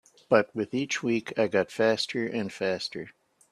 But with each week I got faster and faster.